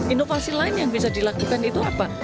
inovasi lain yang bisa dilakukan itu apa